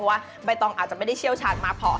ว่าใบตองอาจจะไม่ได้เชี่ยวชาญมากพอ